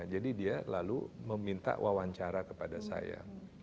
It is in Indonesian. jadi dia lalu meminta wawancara kepada saya